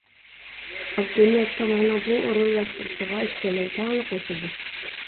ئابدۇنىياز كامالنىڭ بۇ ئورۇنلاشتۇرۇشىغا ئىككىيلەن تەڭلا قوشۇلدى.